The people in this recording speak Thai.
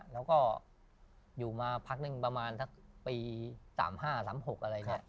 แล้วก็อยู่มาพักนึงประมาณสักปี๓๕๓๖อะไรเนี่ย